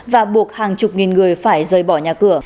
và buộc hàng chục nghìn người phải rời bỏ nhà cửa